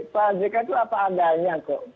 pak jk itu apa adanya kok